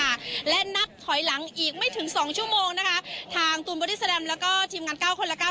ค่ะและนับถอยหลังอีกไม่ถึงสองชั่วโมงนะคะทางตูนบอดี้แลมแล้วก็ทีมงานเก้าคนละเก้า